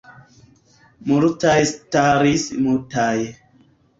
Multaj staris mutaj.